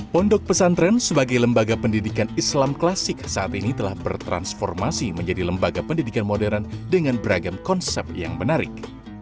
pondok pesantren sebagai lembaga pendidikan islam klasik saat ini telah bertransformasi menjadi lembaga pendidikan modern dengan beragam konsep yang menarik